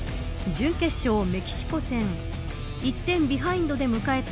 準決勝メキシコ戦１点ビハインドで迎えた